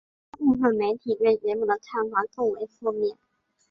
其它部分媒体对节目的看法更为负面。